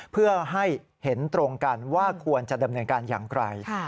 เพื่อให้เห็นตรงกันว่าควรจะดำเนินการอย่างไร